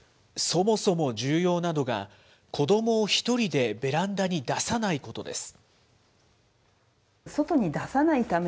そもそも、重要なのが、子どもを１人でベランダに出さないことです。